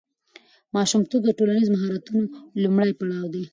ماشومتوب د ټولنیز مهارتونو لومړنی پړاو دی.